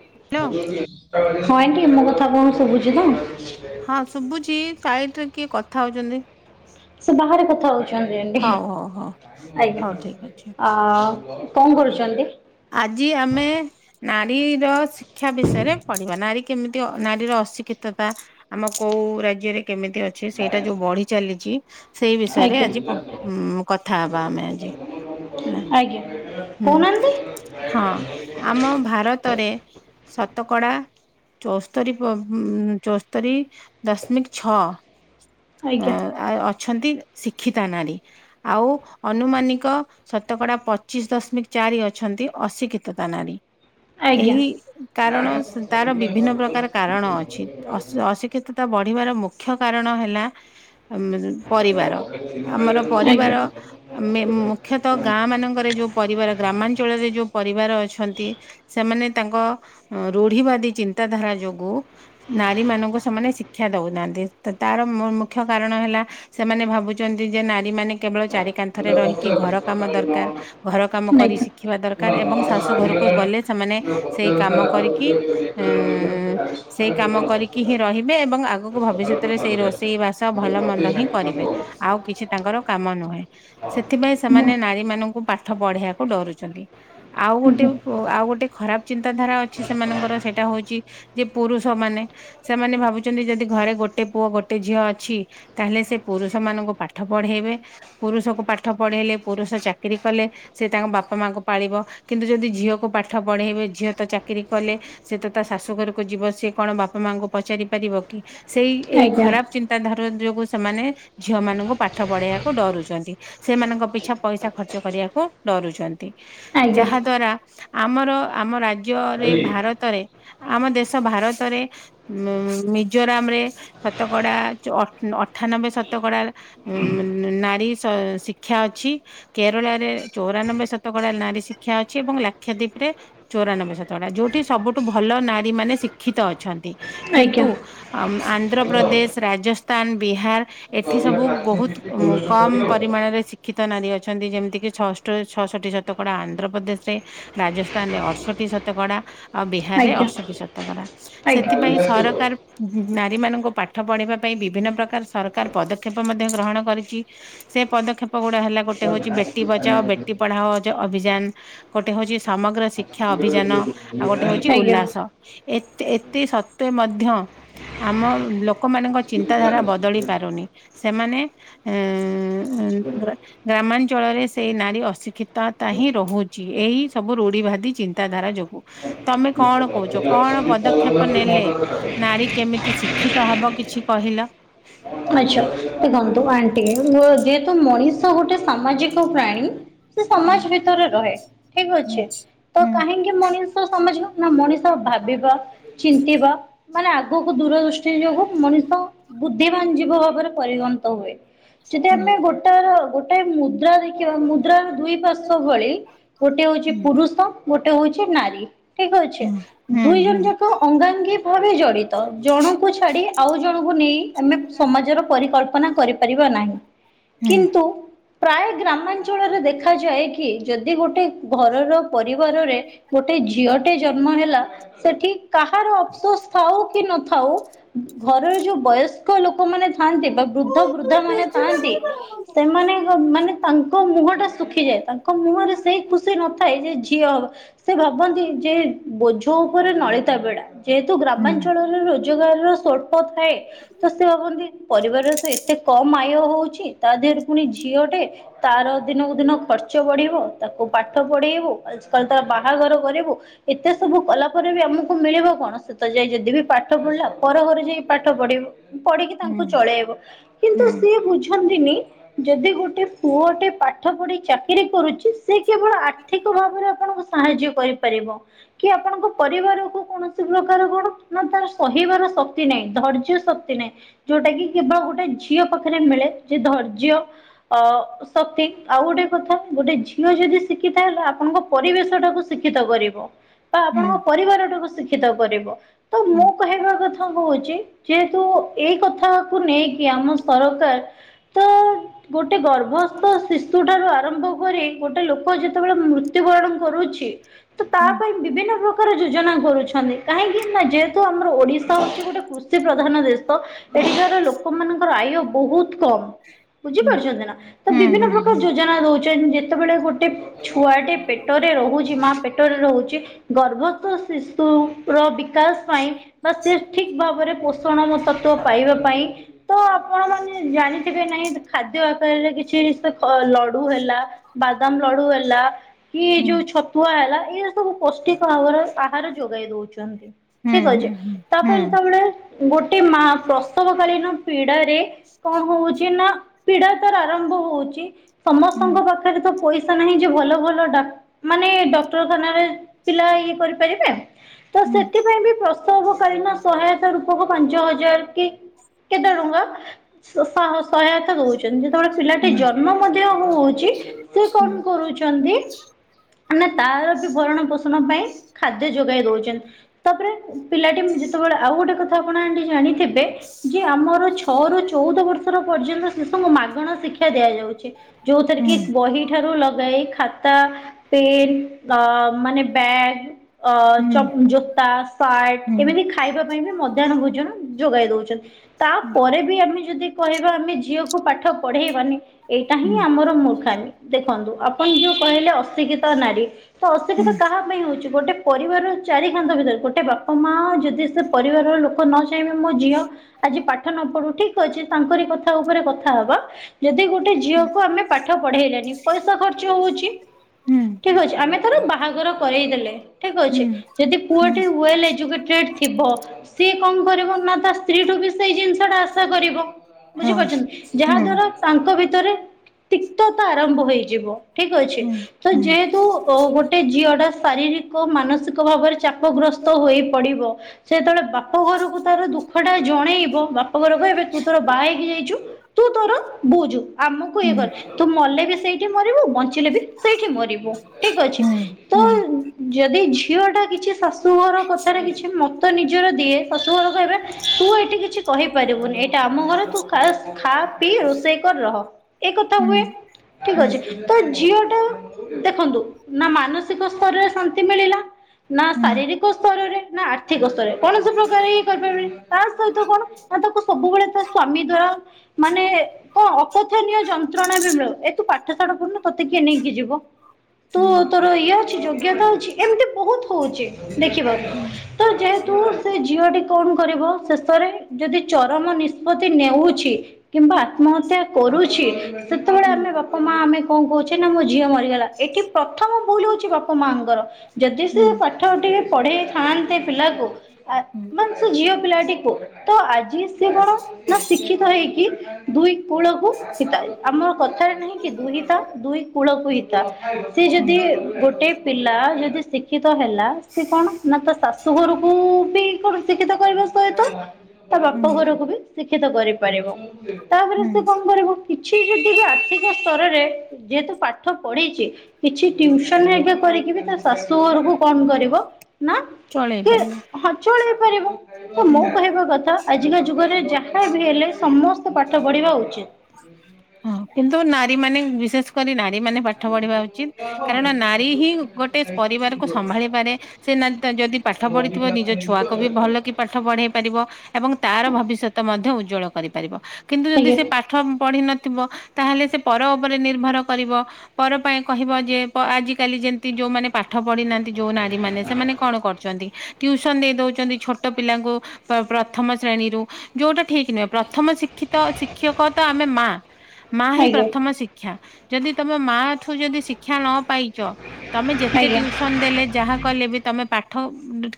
Hello ହଁ aunty ମୋ କଥା ଆପଣଙ୍କୁ ଶୁଭୁଛି ତ। ହଁ ଶୁଭୁଚି ସାଇଟରେ କିଏ କଥା ହଉଚନ୍ତି। ସେ ବାହାରେ କଥା ହଉଛନ୍ତି ଆଣ୍ଟି ହଉ ହଉ ହଉ ହଉ ଠିକ ଅଛି ଆଜ୍ଞା ଆ ଆ କଁ କରୁଛନ୍ତି? ଆଜି ଆମେ ନାରୀର ଶିକ୍ଷା ବିଷୟରେ ପଢିବା ନାରୀ କେମିତି ଅ ନାରୀର ଅଶିକ୍ଷିତତା ଆମ କୋଉ ରାଜ୍ୟରେ କେମିତି ଅ ଛି ସେଇଟା ଯୋଉ ବଢି ଚାଲିଚି ସେଇ ବିଷୟରେ ଆଜ୍ଞା। ଆଜି ପ ଉଁ କଥା ହବା ଆମେ ଆଜି। ହେଲା ଆଜ୍ଞା ହୁଁ କହୁନାହାନ୍ତି। ହଁ ଆମ ଭାରତରେ ଶତକଡା ଚଉସ୍ତରି ପ ଉଁ ଚଉସ୍ତରି ଦଶମିକ ଛଅ ଆ ଆଜ୍ଞା ଆଉ ଅଛନ୍ତି ଶିକ୍ଷିତା ନାରୀ। ଆଉ ଅନୁମାନିକ ଶତକଡା ପଚିଶ ଦଶମିକ ଚାରି ଅ ଛନ୍ତି ଅଶିକ୍ଷିତତା ନାରୀ। ଆଜ୍ଞା। ଏହି କାରଣ ସେ ତାର ବିଭିନ୍ନ ପ୍ରକାର କାରଣ ଅଛି ତ ଅଶ ଅଶି କ୍ଷିତତା ବଢିବାର ମୁଖ୍ୟ କାରଣ ହେଲା ଆମେ [unintelligible] ପରିବାର ଆମର ଆଜ୍ଞା। ପରିବାର ଆମେ ମୁଖ୍ୟତଃ ଗାଁମାନଙ୍କରେ ଯୋଉ ପରିବାର ଗ୍ରାମାଞ୍ଚଳରେ ଯୋଉ ପରିବାର ଅଛନ୍ତି ସେମାନେ ତାଙ୍କ ଅଁ ରୁଢିିବାଦୀ ଚିନ୍ତାଧାରା ଯୋଗୁ ନାରୀମାନଙ୍କୁ ସେମାନେ ଶିକ୍ଷା ଦଉନାହାନ୍ତି ତ ତାର ମୁ ମୁଖ୍ୟ କାରଣ ହେଲା ସେମାନେ ଭାବୁଚନ୍ତି ଯେ ନାରୀମାନେ କେବଳ ଚାରି କାନ୍ଥରେ ରହିକି ଘର କାମ ଦରକାର ଘର କାମ କରି ଆଜ୍ଞା ଆଜ୍ଞା ଶି ଖିବା ଦରକାର ଏବଂ ଶାଶୁ ଘରକୁ ଗଲେ ସେମାନେ ସେଇ କାମ କରିକି ଏଁ ସେଇ କାମ କରିକି ହିଁ ରହିବେ ଏବଂ ଆଗୁକୁ ଭବିଷ୍ୟତରେ ସେଇ ରୋଷେଇ ବାସ ଭଲ ମନ୍ଦ ହିଁ କରିବେ। ଆଉ କିଛି ତାଙ୍କର କାମ ନୁହେଁ ସେଥିପାଇଁ ସେମାନେ ନାରୀମାନଙ୍କୁ ପାଠ ପଢେଇଆକୁ ଡରୁଛନ୍ତି। ଆଉ ଗୋଟେ ଓ ଆଉ ଗୋଟେ ଖରାପ ଚିନ୍ତାଧାରା ଅଛି ସେମାନଙ୍କର ସେଟା ହଉଚି ଯେ ପୁରୁଷମାନେ ସେମାନେ ଭାବୁଚନ୍ତି ଯଦି ଘରେ ଗୋଟେ ପୁଅ ଗୋଟେ ଝିଅ ଅଛି ତାହେଲେ ସେ ପୁରୁଷମାନଙ୍କୁ ପାଠ ପଢେଇବେ। ପୁରୁଷକୁ ପାଠ ପଢେଇଲେ ପୁରୁଷ ଚାକିରି କଲେ ସେ ତାଙ୍କ ବା ପ ମାଙ୍କୁ ପାଳିବ କିନ୍ତୁ ଯଦି ଝିଅକୁ ପାଠ ପଢେଇବେ ଝିଅ ତ ଚାକିରି କଲେ ସେ ତ ତା ଶାଶୁ ଘରୁକୁ ଯିବ ସିଏ କଣ ବାପା ମାଙ୍କୁ ପଚାରିପାରିବ କି ସେଇ ଏଇ ଆଜ୍ଞା ଖରାପ ଚିନ୍ ତାଧରା ଯୋଗୁ ସେମାନେ ଝିଅମାନୁଙ୍କୁ ପାଠ ପଢେଇଆକୁ ଡରୁଚନ୍ତି। ସେମାନଙ୍କ ପିଛା ପଇସା ଖର୍ଚ୍ଚ କରିଆକୁ ଡରୁଛନ୍ ଆଜ୍ଞା ଯାହା ଦ୍ୱାରା ଆମର ଆମ ରାଜ୍ୟରେ ଭାରତରେ ଆମ ଦେଶ ଭାରତରେ ମ ମ ମିଜୋରାମରେ ଶତକଡା ଚ ଅଠ୍ ଉଁ ଅଠାନବେ ଶତକଡା ଉଁ ନାରୀ ଶିକ୍ଷା ଅଛି କେରଳରେ ଚଉରାନବେସ ଶତକଡା ନାରୀ ଶିକ୍ଷା ଅଛି ଏବଂ ଲକ୍ଷାଦ୍ୱୀପ ରେ ଚୋରାନବେ ଶତକଡା ଯୋଉଠି ସବୁଠୁ ଭଲ ନାରୀ ମାନେ ଶିକ୍ଷିତ ଅଛନ୍ତି। କିନ୍ତୁ ଆଜ୍ଞା ଆନ୍ଧ୍ରପ୍ରଦେଶ, ରାଜସ୍ଥାନ, ବିହାର ଏଠି ସବୁ ବହୁତ କମ୍ ପରିମାଣରେ ଶିକ୍ଷିତ ନାରୀ ଅଛନ୍ତି ଯେମିତି କିି ଛଷ୍ଟ ଛଅ ଶତକଡା ଆନ୍ଧ୍ରପ୍ରଦେଶରେ, ରାଜସ୍ଥାନରେ ଅଠଷଠି ଶତକଡା ଆଉ ବିହାରରେ ଅଠଷଠି ଶତକଡା ସେଥିପାଇଁ ସରକାର ନାରୀ ମାନଙ୍କୁ ପାଠ ପଢିବା ପାଇଁ ବିଭିନ୍ନ ପ୍ରକାର ସରକାର ପଦକ୍ଷେପ ମଧ୍ୟ ଗ୍ରହଣ କରିଛି। ସେ ପଦକ୍ଷେପ ଗୁଡା ହେଲା ଗୋଟେ ହଉଛି ବେଟି ବଚାଅ ବେଟି ପଢାଓ ଅଭିଯାନ, ଗୋଟେ ହଉଛି ସମଗ୍ର ଶିକ୍ଷା ଅଭିଯାନ, ଆଉ ଗୋଟେ ହଉଛି ଆଜ୍ଞା। ଆଜ୍ଞା। ଉଲ୍ଲାସ। ଏତେ ଏତେ ସତ୍ତ୍ୱେ ମଧ୍ୟ ଆମ ଲୋକମାନଙ୍କ ଚିନ୍ତାଧାରା ବଦଳି ପାରୁନି ସେମାନେ ଉ ଗ୍ରାମାଞ୍ଚଳରେ ସେଇ ନାରୀ ଅସିକ କ୍ଷିତତା ହିଁ ରହୁଛି ଏଇ ସବୁ ରୁଢି ଭାଦି ଚିନ୍ତାଧାରା ଯୋଗୁ। ତମେ କଣ କହୁଛ? କଣ ପଦକ୍ଷେପ ନେଲେ ନାରୀ କେମିତି ଶିକ୍ଷିତ ହବ କିଛି କହିଲ? ଆଚ୍ଛା ଦେଖନ୍ତୁ ହୁଁ ଆଣ୍ଟି ଯେହେତୁ ମଣିଷ ଗୋଟେ ସାମାଜିକ ପ୍ରାଣୀ ସେ ହୁଁ ସମାଜ ଭିତରେ ରହେ ଠିକ ଅଛି। ହୁଁ ତ କାହିଁକି ମଣିଷ ସମାଜ ନା ମଣିଷ ଭାବିବା ଚିନ୍ତିିବା ମାନେ ଆଗକୁ ଦୂର ଦୃଷ୍ଟି ଯୋଗୁ ମଣିଷ ବୁଦ୍ଧିମାନ ଯ ଯିବ ଭାବରେ ପରିଗଣିତ ହୁଏ। ଯଦି ହୁଁ ଆମେ ଗୋଟେ ତାର ଗୋଟେ ମୁଦ୍ରା ଦେଖିବା ମୁଦ୍ରାର ଦୁଇ ପାର୍ଶ୍ଵ ଭଳି ଗୋଟେ ହଉଛି ହୁଁ ପୁରୁଷ ଗୋଟେ ହଉଛି ନାରୀ। ଠିକ ଅଛିେ ହୁଁ ହୁଁ ଦୁଇ ଜଣ ହୁଁ। ଯାକ ଅଙ୍ଗାଙ୍ଗୀ ଭାବେ ଜଡିତ। ଜଣଙ୍କୁ ଛାଡି ଆଉ ଜଣଙ୍କୁ ନେଇ ଆମେ ସମାଜର ପରିକଳ୍ପନା କରିପାରିବା ନାହିଁ। ହୁଁ କିନ୍ତୁ ପ୍ରାୟ ଗ୍ରାମାଞ୍ଚଳରେ ଦେଖାଯାଏ କି ଯଦି ଗୋଟେ ଘରର ପରିବାରରେ ଗୋଟେ ଝିଅ ଟେ ଜନ୍ମ ହେଲା ସେଠି କାହାର ଅଫସୋସ ଥାଉ କି ନଥାଉ ଘରର ଯୋଉ ବୟସ୍କ ଲୋକମାନେ ଥାନ୍ତି ବା ବୃଦ୍ଧ ବୃଦ୍ଧା ମାନେ ଥାନ୍ତି ସେମାନେ ମାନେ ତାଙ୍କ ମୁହଁ ଟା ଶୁଖିଯାଏ ତାଙ୍କ ମୁହଁରେ ସେଇ ଖୁସି ନଥାଏ ଯେ ଝିଅ ହବ। ସେ ଭାବନ୍ତି ଯେ ବୋଝ ଉପରେ ନଳିତା ବେଡା। ଯେହେତୁ ହୁଁ ଗ୍ରାମାଞ୍ଚଳରେ ରୋଜଗାରର ସଳ୍ପ ଥାଏ। ତ ସେ ଭାବନ୍ତି ପରିବାରରେ ତ ଏତେ କମ ଆୟ ହଉଛି। ତା ଦେହରେ ପୁଣି ଝିଅଟେ ତାର ଦିନକୁ ଦିନ ଖର୍ଚ୍ଚ ବଢିବ, ତାକୁ ପାଠ ପଢେଇବୁ, ଆଜି କାଲି ତାର ବାହାଘର କରିବୁ ଏତେ ସବୁ କଲା ପରେ ବି ଆମ ମକୁ ମିଳିବ କଣ? ସେତ ଯାଇ ଯଦି ବି ପାଠ ପଢିଲା, ପର ଘରେ ଯାଇ ପାଠ ପଢିବ। ପଢିକି ହୁଁ ତାଙ୍କୁ ଚଳେଇବ କିନ୍ତୁ ହୁଁ ସିଏ ବୁଝ ଯଦି ଗୋଟେ ପୁଅ ଟେ ପାଠ ପଢି ଚାକିରୀ କରୁଛି ସେ କେବଳ ଆର୍ଥିକ ଭାବରେ ଆପଣଙ୍କୁ ସାହାଯ୍ୟ କରିପାରିବ। କି ଆପଣଙ୍କ ପରିବାର କ କୌଣସି ପ୍ରକାର କଣ ନା ତାର ସହିବାର ଶକ୍ତି ନାହିଁ, ଧୈର୍ଯ୍ୟ ଶକ୍ତି ଯୋଉଟା କି କେବଳ ଗୋଟେ ଝିଅ ପାଖରେ ମିଳେ ଯେ ଧୈର୍ଯ୍ୟ ଅ ଶକ୍ତି ଆଉ ଗୋଟେ କଥା, ଗୋଟେ ଝିଅ ଯଦି ଶିକ୍ଷିତ ହେଲା, ତାହେଲେ ଆପଣଙ୍କ ପରିବେଶ ଟାକୁ ଶିକ୍ଷିତ କରିବ। ବ ହୁଁ ପରିବାରଟାକୁ ଶିକ୍ଷିତ କରିବ। ତ ହୁଁ ମୁଁ କହିବା କଥା କହୁଛି ଯେହେତୁ ଏଇ କଥା କୁ ନେଇକି ଆମ ସରକାର ତ ଗୋଟେ ଗର୍ଭସ୍ଥ ଶିଶୁ ଠାରୁ ଆରମ୍ଭ କରି, ଗୋଟେ ଲୋକ ଯେତେବେଳେ ମୃତ୍ୟୁ ମୃତ୍ୟୁ ବରଣ କରୁଛି ତ ତା ହୁଁ ପାଇଁ ବିଭିନ୍ନ ପ୍ରକାର ଯୋଜନା କରୁଛନ୍ତି। କାହିଁକି ନା ଯେହେତୁ ଆମର ଓଡିଶା ହଉଛି ଗୋଟେ କୃଷି ପ୍ର ଧନ ଦେଶ ତ ଏଠିକାରା ଲୋକମାନଙ୍କର ଆୟୁ ବହୁତ କମ୍। ହୁଁ ବୁଝିପାରୁଛନ୍ତି ନା ତ ବିଭିନ୍ନ ପ୍ରକାର ହୁଁ ଯୋଜନା ଦଉଛି ଯେତେବେଳେ ଗୋଟେ ଛୁଆଟେ ପେଟରେ ରହୁଛି ମା ପେଟରେ ରହୁଛି ଗର୍ଭସ୍ଥ ଶିଶୁର ର ବି ବିକାଶ ପାଇଁ ବା ସେ ଠିକ ଭାବରେ ପୋଷଣ ତତ୍ତ୍ୱ ପାଇବା ପାଇଁ ତ ଆପଣ ମାନ ଜାଣିଥିବେ ନାହିଁ ଖାଦ୍ୟ ଆକାରରେ କିଛି ସେ ଲଡୁ ହେଲା। ବାଦାମ ଲଡ଼ୁ ହେଲା। କି ଯୋଉ ଛତୁଆ ହେଲା ଏଇ ସବୁ ପୌଷ୍ଟିକ ଭାବର ଆହାର ଯୋଗେଇ ଦଉଛନ୍ତି। ଠିକ ହୁଁ ହୁଁ ଅଛି ହୁଁ ତାପରେ ଯେତେବେଳେ ଗୋଟେ ମା ପ୍ରସବ କାଳୀନ ପୀଡାରେ କଣ ହଉଛି ନା ପୀଡା ତାର ଆରମ୍ଭ ହଉଛି ହୁଁ ସମସ୍ତଙ୍କ ପା ପଇସା ନାହିଁ ଯେ ଭଲ ଭଲ ଡା ମାନେ ଡକ୍ଟରଖାନାରେ ପିଲା ଇଏ କରିପାରିବେ। ତ ସେଥିପାଇଁ ବି ପ୍ରସବ କଳୀନ ସହାୟତା ରୂପ ଫଗୁ ପାଞ୍ଚ ହଜାର କି କେତେ ଟଙ୍କା ସ ଶାହ ସହାୟତା ଦଉ ଯେତେବେଳେ ପିଲାଟି ଜନ୍ମ ମଧ୍ୟ ହଉଛି ସେ କଣ କରୁଛନ୍ତି। ନା ତାର ବି ଭରଣ ପୋଷଣ ପାଇଁ ଖାଦ୍ୟ ଯୋଗାଇ ଦଉଛ ତାପରେ ପିଲାଟି ଯେତେବେଳେ ଆଉ ଗୋଟେ କଥା ଆପଣ ଆ ଜାଣିଥିବେ। ଯେ ଆମର ଛଅ ରୁ ଚଉଦ ବର୍ଷର ପର୍ଯ୍ୟନ୍ତ ଶିଶୁଙ୍କୁ ମାଗଣା ଶିକ୍ଷା ଦିଆଯାଉଛି। ଯୋଉଥିରେ କି ବହି ଠାରୁ ଲଗେଇ ଖାତା ପେନ୍ ତ ମାନେ ବ୍ୟାଗ ଅ ଚ ଜୋତା ସାର୍ଟ ଏମିତି ଖାଇବା ପାଇଁ ବି ମ ମଧ୍ୟନ ଭୋଜନ ଯୋଗାଇ ଦଉଛନ୍ତି ତାପରେ ବି ଆମେ ଯଦି କହିବା ଆମେ ଝିଅକୁ ପାଠ ପଢେଇବାନି ଏଇଟା ହିଁ ଆମର ମୂର୍ଖାମୀ। ଦେଖନ୍ତୁ ଆପଣ ଯୋଉ କହିଲେ ଅଶିକ୍ଷିତ ନାରୀ। ତ ଅଶିକ୍ଷିତ କାହା ପାଇଁ ହଉଛି ଗୋଟେ ପରିବାର ଚାରି କାନ୍ତ ଭିତରେ ଗୋଟେ ବାପା ମା ଯଦି ସେ ପରିବାରର ଲୋକ ନ ଚାହିଁବେ ମୋ ଝିଅ ଆଜି ପାଠ ନ ପଢୁ ଠିକ ଅଛି ତାଙ୍କରି କଥା ଉପରେ କଥା ହବା। ଯଦି ଗୋଟେ ଝିଅକୁ ଆମେ ପାଠ ପଢେଇଲେଣିି ପଇସା ଖର୍ଚ୍ଚ ହଉଛି। ଠିକ ଅଛି ଆମେ ତାର ବାହାଘର କରେଇ ଦେଲେ ଠିକ ଅଛି। ଯଦି ପୁଅଟି ୱଲ ଏଜୁକେଟେଡ ଥିବ? ସିଏ କଣ କରିବ ନା ତା ସ୍ତ୍ରୀଠୁ ବି ସେଇ ଜିନିଷ ଟା ଆଶା କରିବ। ବୁଝିପାରୁଛନ୍ତି ଯାହା ଦ୍ଵାରା ତାଙ୍କ ଭିତରେ ତିକ୍ତତା ଆରମ୍ଭ ହେଇଯିବ ଠିକ ଅଛି। ତ ଯେହେତୁ ଗୋଟେ ଝିଅ ଟା ଶାରୀରିକ ମାନସିକ ଭାବରେ ଚାପ ଗ୍ରସ୍ତ ହୋଇ ପଡିବ। ସେତେବେଳେ ବାପ ଘରକୁ ତାର ଦୁଃଖ ଟା ଜଣେଇବ ବାପ ଘରକୁ କହିବେ ତୁ ତୋର ବାହା ହେଇକି ଯାଇଛୁ ତୁ ତୋର ବୁଝୁ ଆମକୁ ଏ କର ତୁ ମଲେ ବି ସେଇଠି ମରିବୁ ବଞ୍ଚିଲେ ବି ସେଇଠି ମରିବୁ ଠିକ ଅଛି। ତ ଯଦି ଝିଅ ଟା କିଛି ଶାଶୁ ଘର କଥାରେ କିଛି ମତ ନିଜର ଦିଏ। ସାଶୁ ଘର କହବେ ତୁ ଏଇଠି କିଛି କହିପାରିବୁନି ଏଇଟା ଆମ ଘରେ ତୁ ଖାଶ୍ ଖା ବି ରୁଷେଇକର ରହ ଏ କଥା ହୁଏ ଠିକ ଅଛି ତ ଝିଅ ଟା ଦେଖନ୍ତୁ ନା ମାନସିକ ସ୍ତରରେ ଶାନ୍ତି ମିଳିଲା। ନା ଶାରୀରିକ ସ୍ତରରେ ନା ଆର୍ଥିକ ସ୍ତରରେ କୌଣସି ପ୍ରକା [unintelligible] ତା ସହିତ କଣ ନା ତାକୁ ସବୁବେଳେ ତା ସ୍ଵାମୀ ଦ୍ଵାରା ମାନେ କଣ ଅକଥାନୀୟ ଯନ୍ତ୍ରଣା ବି ମିଳୁ ଏ ତୁ ପାଠଶାଠ ପଢ଼ିନୁ ତତେ କିଏ ନେଇକି ଯିବ। ତୁ ତୋର ଇଏ ଅଛି ଯୋଗ୍ୟତା ଅଛି ଏମିତି ବହୁତ ହଉଛି ଦେଖିବ। ତ ଯେହେତୁ ସେ ଝିଅଟି କଣ କରିବ ଶେଷରେ ଯଦି ଚରମ ନିଷ୍ପତ୍ତି ନେଉଛି। କିମ୍ବା ଆତ୍ମହତ୍ୟା କରୁଛି ସେତେବେଳେ ଆମେ ବାପା ମା ଆମେ କଣ କହୁଛେ ନା ମୋ ଝିଅ ମରିଗଲା ଏଠି ପ୍ରଥମ ଭୁଲ ହଉଛି ବାପା ମାଙ୍କର ଯଦି ସେ ପାଠ ଟିକେ ପଢେଇ ଥାଆନ୍ତେ ପିଲାକୁ ଆ ମାନେ ସେ ଝିଅ ପିଲାଟିକୁୁ ତ ଆଜି ସେ କଣ ନା ଶିକ୍ଷିତ ହେଇକି ଦୁଇ କୂଳକୁୁ ହିତା ଆମର କଥାରେ ନାହିଁ କି ଦୁଇ ହିତା ଦୁଇ କୂଳକୁ ହିତା ସେ ଯଦି ଗୋଟେ ପିଲା ଯଦି ଶିକ୍ଷିତ ହେଲା ସେ କଣ ନା ତା ଶାଶୁଘରକୁ ବି କଣ ଶିକ୍ଷିତ କରିବା ସହିତ ତା ବାପଘରକୁ ବି ଶିକ୍ଷିତ କରିପାରିବ। ତାପରେ ସେ କଣ କରିବ କିଛି ଯଦି ବି ଆର୍ଥିକ ସ୍ତରରେ ଯେହେତୁ ପାଠ ପଢିଚି କିଛି ଟଉସନ୍ ହେରିକା କରିକି ବି ତା ଶାଶୁଘରକୁ କଣ କରିବ ନା ଚଳେଇ ପାରିବ। ହଁ ଚଳେଇ ପାରିବ। ତ ମୋ କହିବା କଥା ଆଜିକା ଯୁଗରେ ଯାହାବି ହେଲେ ସମସ୍ତେ ପାଠ ପଢିବା ଉଚିତ। ପ୍ରୃଶମ ହ କିନ୍ତୁ ନାରୀମାନେ ବିଶେଷ କରି ନାରୀ ମାନେ ପାଠ ପଢିବା ଉଚିତ କାରଣ ନାରୀ ହିଁ ଗୋଟେ ସ୍ ପରିବାରକୁ ସମ୍ଭାଳିପାରେ। ସେ ନା ତା ଯଦି ପାଠ ପଢିଥିବ ନିଜ ଛୁଆକୁ ବି ଭଲକି ପାଠ ପଢେଇ ପାରିବ ଏବଂ ତାର ଭବିଷ୍ୟ ତ ମଧ୍ୟ ଉଜ୍ବଳ କରିପାରିବ କିନ୍ତୁ ଯଦି ଆଜ୍ଞା ସେ ପାଠପଢି ନ ଥିବ ତାହେଲେ ସେ ପର ଓପରେ ନିର୍ଭର କରିବ ପର ପାଇଁ କହିବ ଯିଏ ପ ଆଜିକାଲି ଯେମତି ଯୋଉମାନେ ପାଠ ପଢିନାହା ଯୋଉ ନାରୀମାନେ ସେମାନେ କଣ କରୁଚନ୍ତି ଟ୍ୟୁସନ୍ ଦେଇ ଦୋଉଚନ୍ତି ଛୋଟ ପିଲାଙ୍କୁ ପ୍ର-ପ୍ରଥମ ଶ୍ରେଣୀରୁ ଯୋଉଟା ଠିକ ନୁହେଁ ପ୍ରଥମ ଶି କ୍ଷିତ ଶିକ୍ଷକ ତ ଆମେ ମାଆ ମାଆ ହିଁ ଆଜ୍ଞା ପ୍ରଥମ ଥମ ଶିକ୍ଷା ଯଦି ତମ ମାଆଠୁ ଯଦି ଶିକ୍ଷା ନ ପାଇ ଚ ତମେ ଯେତେ ଟ୍ୟୁସନ୍ ଦେଲେ ଯାହା କଲେ ବି ତମେ ପାଠ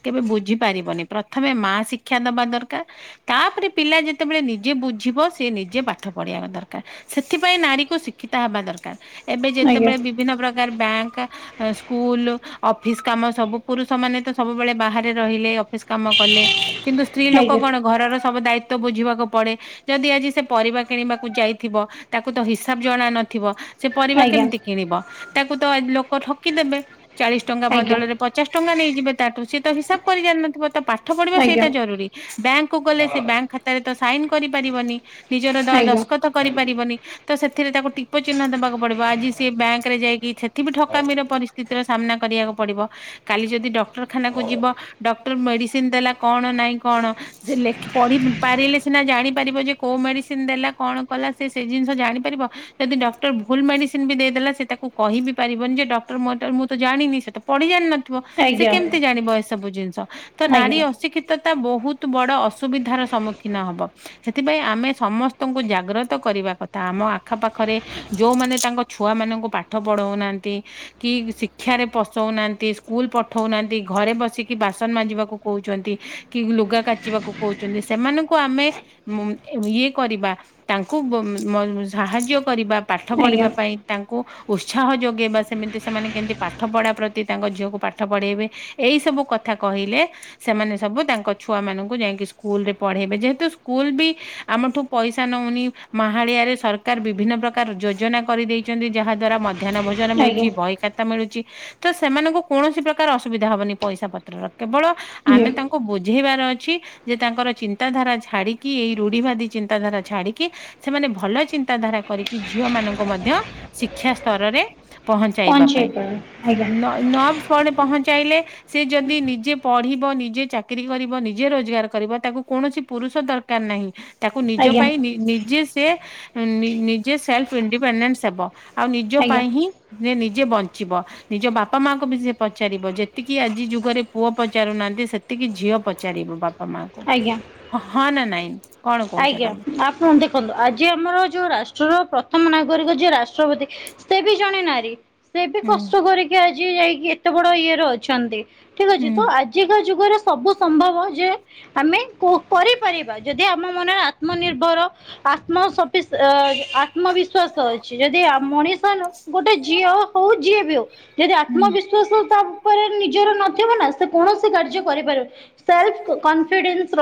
କେବେ ବୁଝିପାରିବନି ପ୍ରଥମେ ମାଆ ଶିକ୍ଷା ଦବା ଦରକାର। ତାପରେ ପିଲା ଯେତେବେଳେ ନିଜେ ବୁଝିବ ସିଏ ନିଜେ ପାଠ ପଢିବା ଦର କା ସେଥିପାଇଁ ନାରୀକୁ ଶିକ୍ଷିତ ହବା ଦରକାର ଏବେ ଆଜ୍ଞା ଆଜ୍ଞା ଯେତେବେଳେ ବିଭିନ୍ନ ପ୍ରକାର ବ୍ୟାଙ୍କ ଅ ସ୍କୁଲୁ ଅଫିସ କାମ ସବୁ ପୁରୁଷମାନେ ତ ସବୁବେଳେ ବାହାରେ ରହିଲେ ଅଫିସ କାମ କଲେ କିନ୍ତୁ ସ୍ତ୍ରୀଲୋକ ଆଜ୍ଞା କଣ ଘରର ସବୁ ଦାୟି ତ୍ୱ ବୁଝିବାକୁ ପଡେ ଯଦି ଆଜି ସେ ପରିବା କିଣିବାକୁ ଯାଇ ଥିବ ତାକୁ ତ ହିସାବ ଜଣା ନଥିବ ସେ ପରିବା ଆଜ୍ଞା କେମତି କିଣିବ ତାକୁ ତ ଆ ଲୋକ ଠକିଦେବେ ଚାଳିଶ ଟଙ୍କା ଆଜ୍ଞା ବଦଳରେ ପ ପଚାଶ ଟଙ୍କା ନେଇଯିବେ ତାଠୁ ସିଏ ତ ହିସାବ କରି ଜାଣିନଥିବ ତ ପାଠପଢିବା ଆଜ୍ଞା ଆଜ୍ଞା ସେଇଟା ଜରୁରୀ। ବ୍ୟାଙ୍କକୁ ଗଲେ ସେ ବ୍ୟାଙ୍କ ଖାତାରେ ତ ସାଇନ କରିପାରିବନି ନିଜର ଆଜ୍ଞା ଦ-ଦସ୍କତ କରିପାରି ବନି ତ ସେଥିରେ ତାକୁ ଟି ପ ଚିହ୍ନ ଦେବାକୁ ପଡିବ ଆଜି ସିଏ ବ୍ୟାଙ୍କରେ ଯାଇକି ସେଠି ବିି ଠକାମିର ପରିସ୍ଥିତିର ସ୍ ସାମ୍ନା କରିବାକୁ ପଡିବ କାଲି ଯଦି ଡକ୍ଟରଖାନ ଯିବ ଡକ୍ଟର ମେଡିସିନ ସିନ୍ ଦେଲା କଣ ନାଇଁ କଣ ସେ ଲେଖି ପଢି ପାରିଲେ ସିନା ଜାଣିପାରିବ ଯେ କୋଉ ମେଡିସିନ ଦେଲା କଣ କଲା ସେ ସେ ଜିନିଷ ଜାଣିପାରିବ। ଯଦି ଡକ୍ଟର ଭୁଲ ମେଡିସିନ ବି ଦେଇଦେଲା ସେ ତାକୁ କହିବି ପାରିବନି ଯେ ଡକ୍ଟର ମୁଁ ଏଟା ମୁଁ ତ ଜାଣିନି ସେତ ପଢି ଜାଣିିନଥିବ ସେ କେମତି ଜାଣିବ ଏସବୁ ଜିନିଷ ତ ନାରୀ ଅ ଅଶିକ୍ଷିତତା ବୋହୁତ ବଡ ଅସୁବିଧାର ସମ୍ମୁଖୀନ ହବ ସେଥିପାଇଁ ଆମେ ସମସ୍ତଙ୍କୁ ଜା ଜାଗ୍ରତ କରିବା କଥା ଆମ ଆଖପାଖରେ ଯୋଉମାନେ ତାଙ୍କ ଛୁଆମାନଙ୍କୁ ପାଠ ପଢ଼ୋଉନାହାନ୍ତି କି ଶିକ୍ଷାରେ ପସଉନାହାନ୍ତି ସ୍କୁଲ ପଠୋଉନାହାନ୍ତି ଘରେ ବସିକି ବାସନ ମାଜିବାକୁ କୋହୁଚନ୍ତି। କି ଲୁଗା କାଚିବାକୁ କୋହୁଚନ୍ତି ସେମାନଙ୍କୁ ଆମେ ମୁଁ ଏ ଇଏ କରିବା ତାଙ୍କୁ ବ ମ ସାହାଯ୍ୟ କରିବା ପାଠ ଆଜ୍ଞା ଆଜ୍ଞା ପଢ଼ିବା ପାଇଁ। ତାଙ୍କୁ ଉତ୍ସାହ ଯୋଗେଇବା ସେମିତି ସେମାନେ କେମତି ପାଠପଢ଼ା ପ୍ରତି ତାଙ୍କ ଝିଅକୁ ପାଠ ପଢ଼େଇବେ। ଏଇସବୁ କଥା କହିଲେ ସେମାନେ ସବୁ ତାଙ୍କ ଛୁଆମାନଙ୍କୁ ଯାଇଁକି ସ୍କୁଲରେ ପଢେଇବେ ଯେହେତୁ ସ୍କୁଲ ବି ଆମଠୁ ପଇସା ନୋଉ ନି ମାହାଳିଆରେ ସରକାର ବିଭିନ୍ନ ପ୍ରକାର ଯୋଜନା କରିଦେଇଚନ୍ତି ଯାହା ଦ୍ଵାରା ମା ମଧ୍ୟାନ ଭୋଜନ ଆଜ୍ଞା ମିଳୁଚି ଆଜ୍ଞା ବହିଖାତା ମିଳୁଚି ତ ସେମାନଙ୍କୁ କୌଣସି ପ୍ରକାର ଅସୁବିଧା ହବନି ପଇସା ପତ୍ରର। କେବଳ ଆମେ ତାନ୍ କୁ ବୁଝେଇବାର ଅଛି ଯେ ତାଙ୍କର ଚିନ୍ତାଧାରା ଛାଡିକି ଏଇ ରୁଢିିବାଦୀ ଚିନ୍ତାଧାରା ଛାଡି କି ସେମାନେ ଭଲ ଚିନ୍ତା ଧାରା କରିକି ଝିଅମାନଙ୍କୁ ମଧ୍ୟ ଶିକ୍ଷା ସ୍ତରରେ ପହଞ୍ଚାଇବା ପହଞ୍ଚେଇ ପାଇଁ ପାରିବ ନ ନ [unintelligible] ପହଞ୍ଚାଇଲେ ସେ ଯଦି ନିଜେ ପଢିବ ନିଜେ ଚାକିରୀ କରିବ ନିଜେ ରୋଜଗାର କରିବ ତାକୁ କୌଣସି ପୁରୁଷ ଦର କାରନାହିଁ। ତାକୁ ନିଜ ଆଜ୍ଞା ପାଇଁ ନିଜେ ସେ ନିଜେ ସେଲ୍ଫ ଇଣ୍ଡିପେଣ୍ଡେଣ୍ଟ ହେବ। ଆଉ ନିଜ ଆଜ୍ଞା ପାଇଁ ହିଁ ନିଜେ ବଞ୍ଚିବ। ନିଜ ବାପା ମାଙ୍କୁ ବି ସେ ପଚାରିବ ଯେତିକି ଆଜି ଯୁଗରେ ପୁଅ ପଚାରୁନାହାନ୍ତି ସେ ତିକେ ଝିଅ ପଚାରିବ ବାପା ମା ଆଜ୍ଞା କ ଆଜ୍ଞା ହଁ ନା ନାଇଁ କଣ କହୁଛ ତମେ। ହଁ ଦେଖନ୍ତୁ ଆଜି ଆମର ଯେଉଁ ରାଷ୍ଟ୍ରର ପ୍ରଥମ ନାଗରିକ ଯିଏ ରାଷ୍ଟ୍ରପତି ସେ ବି ଜଣେ ନାରୀ ସେବେ ହୁଁ କଷ୍ଟ କରିକି ଆଜି ଯାଇକି ଏତେ ବଡ ଇଏରେ ଅଛନ୍ତି ଠିକ ଅଛି ହୁଁ ତ ଆ ଆଜିକା ଯୁଗରେ ସବୁ ସମ୍ଭବ ଯେ ଆମେ କରିପାରିବା ଯଦି ଆମ ମନରେ ଆତ୍ମନିର୍ଭର ଆତ୍ମ ସି ଆତ୍ମବିଶ୍ଵାସ ଅଛି ଯଦି ମଣିଷ ନ ଗୋଟେ ଝିଅ ହଉ ଯିଏ ବି ହଉ ଯଦି ହୁଁ ଆତ୍ମବିଶ୍ଵାସ ତା ନିଜ ନଥିନା ସେ କୌଣସି କାର୍ଯ୍ୟ କରିପାର